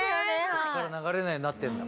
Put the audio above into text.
こっから流れないようになってんだ。